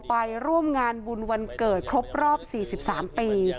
ไปร่วมงานบุญวันเกิดครบรอบ๔๓ปี